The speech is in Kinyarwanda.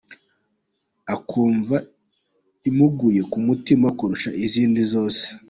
akumva imuguye ku mutima kurusha izindi zose.